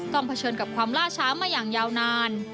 เผชิญกับความล่าช้ามาอย่างยาวนาน